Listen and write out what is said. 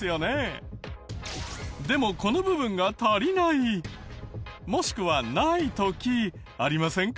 でもこの部分が足りないもしくはない時ありませんか？